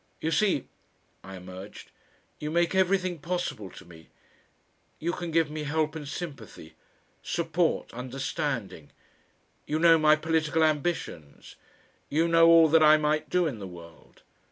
"You see," I emerged, "you make everything possible to me. You can give me help and sympathy, support, understanding. You know my political ambitions. You know all that I might do in the world.